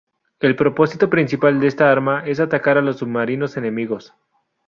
El propósito principal de esta arma es atacar a los submarinos enemigos.